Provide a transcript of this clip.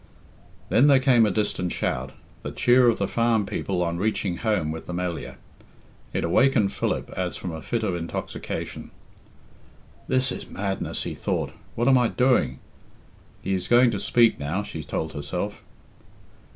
Then there came a distant shout; the cheer of the farm people on reaching home with the Melliah.. It awakened Philip as from a fit of intoxication. "This is madness," he thought. "What am I doing?" "He is going to speak now," she told herself.